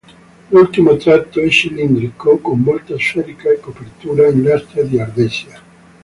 L'ultimo tratto è cilindrico con volta sferica e copertura in lastre di ardesia.